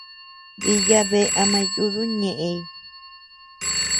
Diya bea ama yuduu ñeʼëñ.